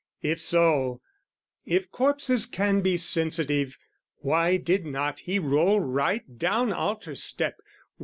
If so, if corpses can be sensitive, Why did not he roll right down altar step.